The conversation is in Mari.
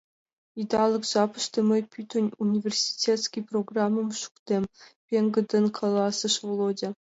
Идалык жапыште мый пӱтынь университетский программым шуктем, — пеҥгыдын каласыш Володя.